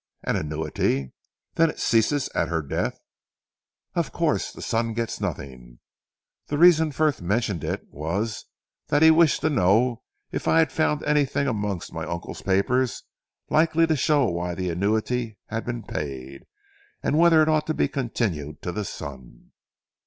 "An annuity? Then it ceased at her death?" "Of course. The son gets nothing. The reason Frith mentioned it, was that he wished to know if I had found anything amongst my uncle's papers likely to show why the annuity had been paid, and whether it ought to be continued to the son."